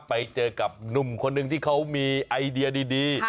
ไปเจอกับหนุ่มคนหนึ่งที่เขามีไอเดียดี